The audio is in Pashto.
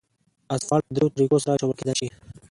اسفالټ په دریو طریقو سره اچول کېدای شي